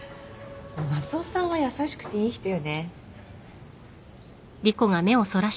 夏雄さんは優しくていい人よね？